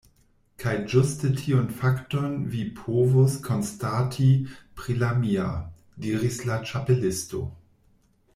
"Kaj ĝuste tiun fakton vi povus konstati pri la mia," diris la Ĉapelisto.